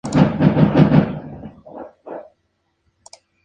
La sede del condado es Norton.